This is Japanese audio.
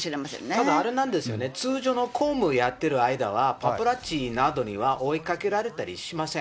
ただ、あれなんですよね、通常の公務をやってる間は、パパラッチなどには追いかけられたりしません。